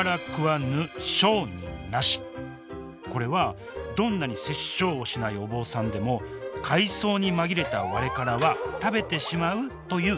これはどんなに殺生をしないお坊さんでも海藻に紛れたワレカラは食べてしまうという意味なんです